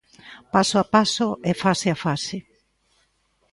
Paso a paso e fase a fase.